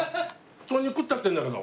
普通に食っちゃってるんだけど。